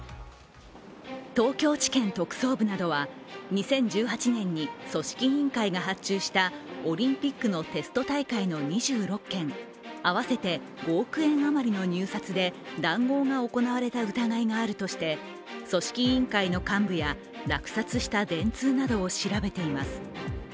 東京地検特捜部などは２０１８年に組織委員会が発注したオリンピックのテスト大会の２６件合わせて５億円余りの入札で談合が行われた疑いがあるとして組織委員会の幹部や落札した電通などを調べています。